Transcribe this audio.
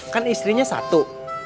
kan istrinya satu